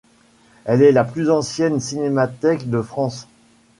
Elle est la plus ancienne cinémathèque de France.